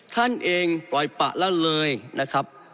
ท่านเองปล่อยปะละเลยนะครับ